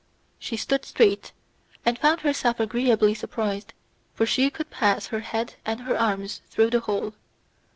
She stood straight, and found herself agreeably surprised, for she could pass her head and her arms through the hole.